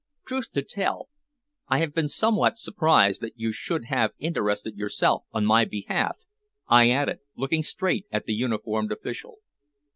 Truth to tell, I have been somewhat surprised that you should have interested yourself on my behalf," I added, looking straight at the uniformed official.